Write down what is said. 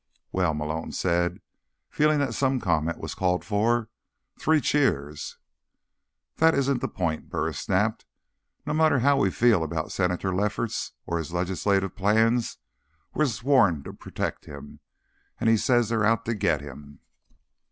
"Well," Malone said, feeling that some comment was called for, "three cheers." "That isn't the point," Burris snapped. "No matter how we feel about Senator Lefferts or his legislative plans, we're sworn to protect him. And he says 'they' are out to get him."